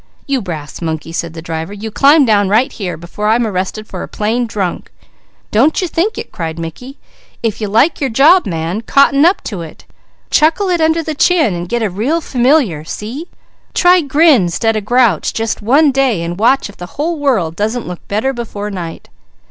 "You brass monkey!" said the driver. "You climb down right here, before I'm arrested for a plain drunk." "Don't you think it," called Mickey. "If you like your job, man, cotton up to it; chuckle it under the chin, and get real familiar. See? Try grin, 'stead of grouch just one day and watch if the whole world doesn't look better before night."